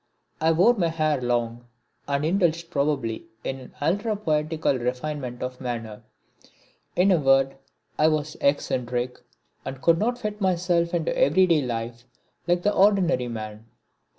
I wore my hair long and indulged probably in an ultra poetical refinement of manner. In a word I was eccentric and could not fit myself into everyday life like the ordinary man.